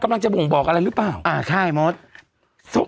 อ่าใช่มศ